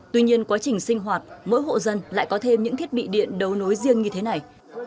tuy nhiên quá trình sinh hoạt mỗi hộ dân lại có thêm những thiết bị điện đấu nối riêng như thế này